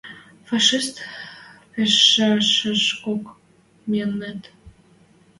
Фашист пӹжӓшӹшкок миэнӹт.